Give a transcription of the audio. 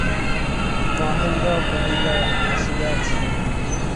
মহেন্দ্র কহিল, আসিয়াছি, বিনোদ।